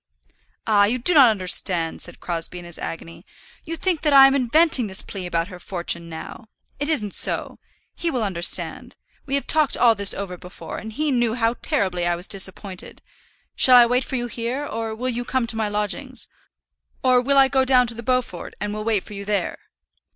"Ah! you do not understand," said Crosbie in his agony. "You think that I am inventing this plea about her fortune now. It isn't so. He will understand. We have talked all this over before, and he knew how terribly I was disappointed. Shall I wait for you here, or will you come to my lodgings? Or I will go down to the Beaufort, and will wait for you there."